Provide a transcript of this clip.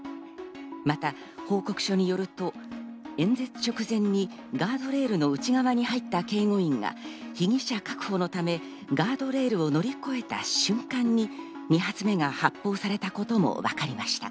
また報告書によると、演説直前にガードレールの内側に入った警護員が被疑者確保のためガードレールを乗り越えた瞬間に２発目が発砲されたこともわかりました。